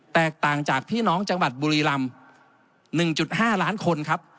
แตกต่างจากพี่น้องจังหวัดบุรีรำ๑๕ล้านคนครับ